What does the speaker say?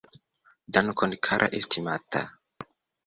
Dankon, kara estimanta